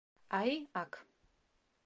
აი, აქ.